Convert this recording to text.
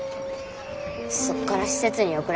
そっから施設に送られるんだ。